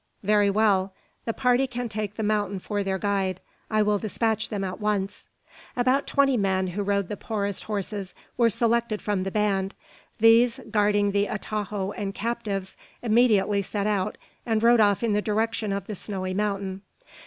"Very well; the party can take the mountain for their guide. I will despatch them at once." About twenty men, who rode the poorest horses, were selected from the band. These, guarding the atajo and captives, immediately set out and rode off in the direction of the snowy mountain.